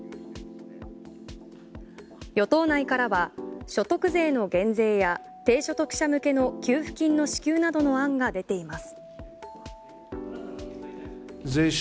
与党内からは所得税の減税や低所得者向けの給付金の支給などの案が出ています。